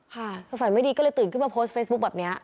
ค่ะพอฝันไม่ดีก็เลยตื่นขึ้นมาโพสต์เฟซบุ๊คแบบนี้